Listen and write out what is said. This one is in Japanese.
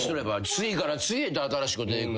次から次へと新しく出てくるからな。